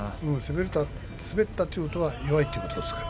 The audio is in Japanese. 滑ったということは弱いということですから。